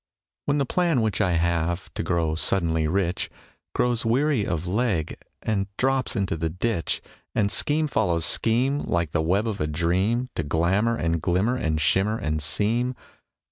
When the plan which I have, to grow suddenly rich Grows weary of leg and drops into the ditch, And scheme follows scheme Like the web of a dream To glamor and glimmer and shimmer and seem